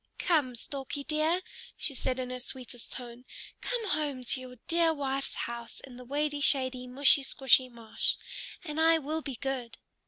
"Come, Storkie dear," she said in her sweetest tone, "come home to your dear wife's house in the wady shady, mushy squshy marsh, and I will be good."